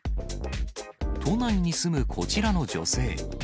都内に住むこちらの女性。